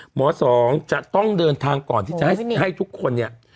สองจะต้องเดินทางก่อนที่จะให้ทุกคนเนี่ย